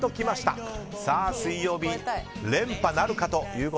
水曜日、連覇なるか。